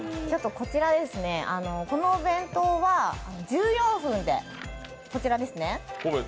こちら、このお弁当は１４分でこちらですね。